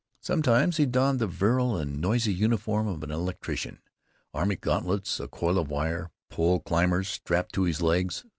Sometimes he donned the virile—and noisy—uniform of an electrician: army gauntlets, a coil of wire, pole climbers strapped to his legs.